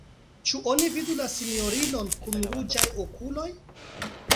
Ĉu oni vidu la sinjorinon kun ruĝaj okuloj?